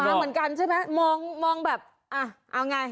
หมาเหมือนกันใช่ไหมมองแบบเอาไงต่อ